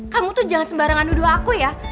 kamu tuh jangan sembarangan nuduh aku ya